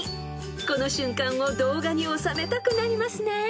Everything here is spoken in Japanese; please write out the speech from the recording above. ［この瞬間を動画に収めたくなりますね］